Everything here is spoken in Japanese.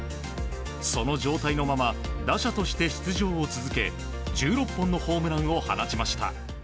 その状態のまま、打者として出場を続け、１６本のホームランを放ちました。